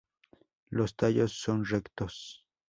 Los tallos son rectos.